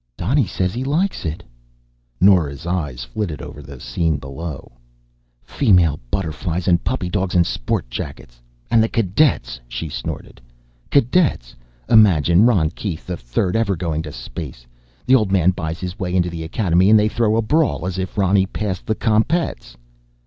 "Donny says he likes it." Nora's eyes flitted over the scene below. "Female butterflies and puppy dogs in sport jackets. And the cadets." She snorted. "Cadets! Imagine Ron Keith the Third ever going to space. The old man buys his way into the academy, and they throw a brawl as if Ronny passed the Compets."